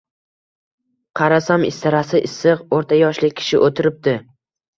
Qarasam, istarasi issiq, o`rta yoshli kishi o`tiribdi